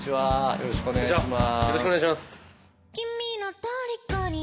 よろしくお願いします。